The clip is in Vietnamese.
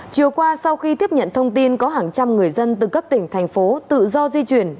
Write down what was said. chiều qua sau khi tiếp nhận thông tin có hàng trăm người dân từ các tỉnh thành phố tự do di chuyển